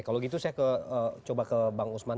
kalau gitu saya coba ke bang usman